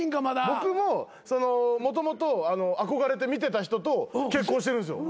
僕ももともと憧れて見てた人と結婚してるんですよ。